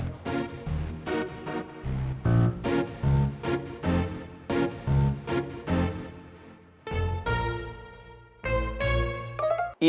income perusahaan turun semenjak dua bulan dari kemarin